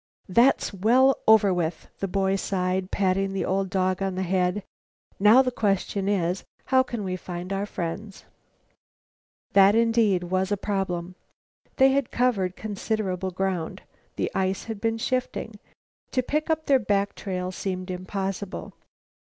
"That's well over with," the boy sighed, patting the old dog on the head. "Now the question is, how can we find our friends?" That, indeed, was a problem. They had covered considerable ground. The ice had been shifting. To pick up their back trail seemed impossible.